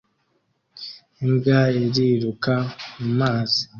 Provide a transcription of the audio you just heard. Imbwa iriruka mu mazi